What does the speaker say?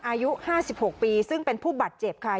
อายุ๕๖ปีซึ่งเป็นผู้บาดเจ็บค่ะ